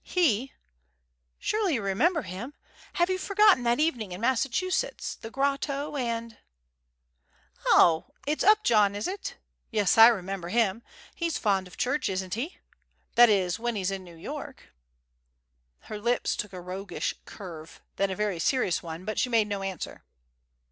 "He? Surely you remember him. Have you forgotten that evening in Massachusetts the grotto and " "Oh, it's Upjohn, is it? Yes, I remember him. He's fond of church, isn't he? That is, when he's in New York." Her lips took a roguish curve then a very serious one; but she made no answer.